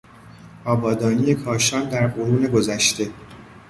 آبادانی کاشان در قرون گذشته